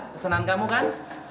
kesenang kamu kan